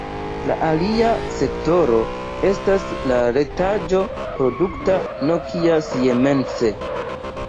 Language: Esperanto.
La alia sektoro estas la retaĵo-produkta Nokia-Siemens.